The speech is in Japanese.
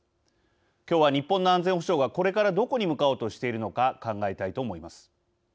今日は、日本の安全保障がこれからどこに向かおうとしているのか考えたいと思います。